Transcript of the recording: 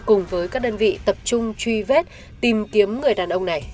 cùng với các đơn vị tập trung truy vết tìm kiếm người đàn ông này